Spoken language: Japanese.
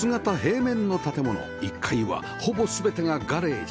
１階はほぼ全てがガレージ